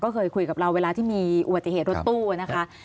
ก็เคยคุยกับเราเวลาที่มีอุบัติเหตุรถตู้นะคะ